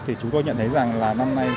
thì chúng tôi nhận thấy rằng là năm nay